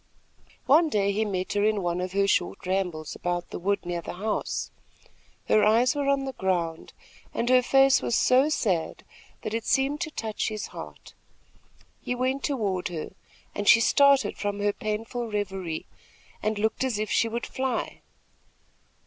One day he met her in one of her short rambles about the wood near the house. Her eyes were on the ground, and her face was so sad that it seemed to touch his heart. He went toward her, and she started from her painful reverie and looked as if she would fly.